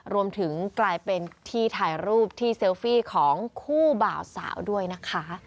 รวมถึงกลายเป็นที่ถ่ายรูปที่เซลฟี่ของคู่บ่าวสาวด้วยนะคะ